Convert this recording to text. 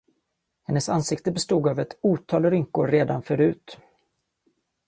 Hennes ansikte bestod av ett otal rynkor redan förut.